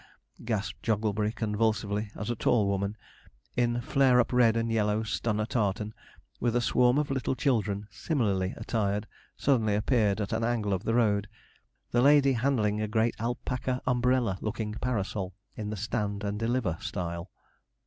gasped Jogglebury, convulsively, as a tall woman, in flare up red and yellow stunner tartan, with a swarm of little children, similarly attired, suddenly appeared at an angle of the road, the lady handling a great alpaca umbrella looking parasol in the stand and deliver style.